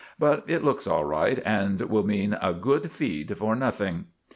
But it looks all right, and will mean a good feed for nothing."